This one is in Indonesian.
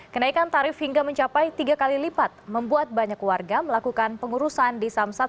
kenaikan tarif hingga mencapai tiga kali lipat membuat banyak warga melakukan pengurusan di samsat